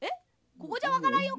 「ここじゃわからんよ。